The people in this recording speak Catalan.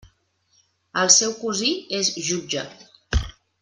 El seu cosí és jutge.